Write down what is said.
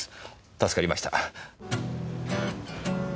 助かりました。